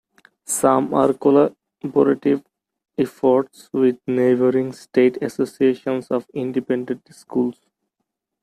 Some are collaborative efforts with neighboring state associations of independent schools.